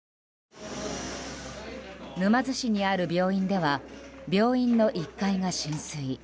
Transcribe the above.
沼津市にある病院では病院の１階が浸水。